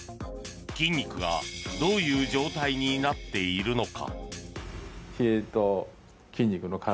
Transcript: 筋肉がどういう状態になっているのか？